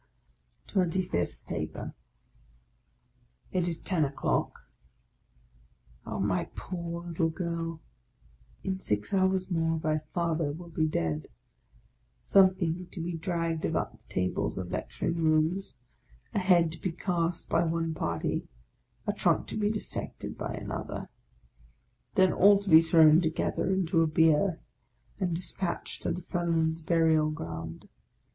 TWENTY FIFTH PAPER IT is ten o'clock. Oh, my poor little girl! In six hours more thy Fathei will be dead, — something to be dragged about the tables of lecturing rooms; a head to be cast by one party, a trunk to be dissected by another ; then all to be thrown together into a bier, and despatched to the felons' burial ground.